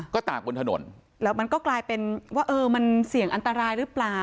ก็ตากบนถนนแล้วมันก็กลายเป็นว่าเออมันเสี่ยงอันตรายหรือเปล่า